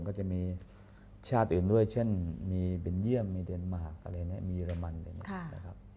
ก็จะมีชาติอื่นด้วยเช่นมีเบนเยี่ยมมีเดนมาร์กอะไรเนี่ยมีเรมันนะครับ